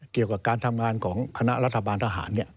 เกี่ยวกับการทำงานของคณะรัฐบาลทหาร